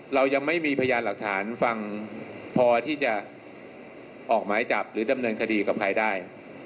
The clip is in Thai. เรายังไม่มีพยานหลักฐานฟังพอที่จะออกหมายจับหรือดำเนินคดีกับใครได้